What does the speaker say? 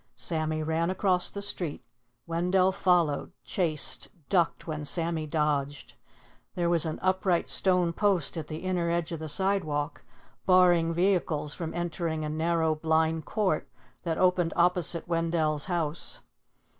Sammy ran across the street; Wendell followed, chased, ducked when Sammy dodged. There was an upright stone post at the inner edge of the sidewalk, barring vehicles from entering a narrow blind court that opened opposite Wendell's house.